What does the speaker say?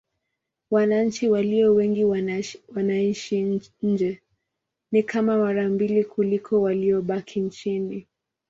Wananchi walio wengi wanaishi nje: ni kama mara mbili kuliko waliobaki nchini.